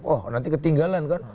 oh nanti ketinggalan kan